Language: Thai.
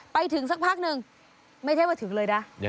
ไปถึงสักพักหนึ่งไม่ใช่ว่าถึงเลยนะ